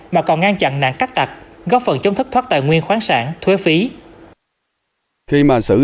mà còn ngăn chặn nạn cắt tặc góp phần chống thất thoát tài nguyên khoáng sản thuế phí